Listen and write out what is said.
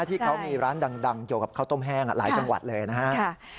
ที่เขามีร้านดังเกี่ยวกับข้าวต้มแห้งหลายจังหวัดเลยนะครับ